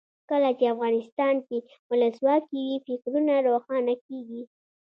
کله چې افغانستان کې ولسواکي وي فکرونه روښانه کیږي.